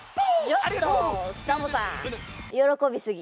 ちょっとサボさんよろこびすぎ。